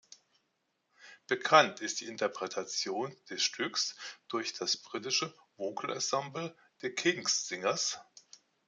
Bekannt ist die Interpretation des Stücks durch das britische Vocal-Essemble The King’s Singers.